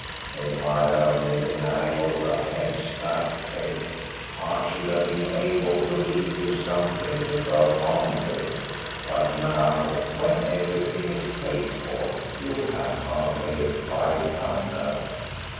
"If I'd only been able to hedge that bet I should have been able to leave you something to go on with, but now, when everything is paid for, you'll have hardly a five pound note.